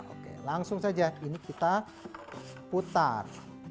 oke langsung saja ini kita putar